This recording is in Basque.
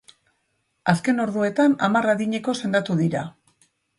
Azken orduetan hamar adineko sendatu dira.